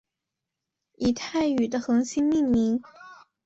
以泰语的恒星命名。